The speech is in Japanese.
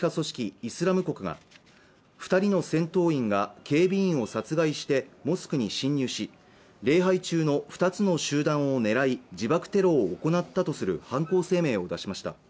イスラム国が二人の戦闘員が警備員を殺害してモスクに侵入し礼拝中の２つの集団を狙い自爆テロを行ったとする犯行声明を出しました